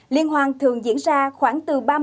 liên hoan thường diễn ra khoảng từ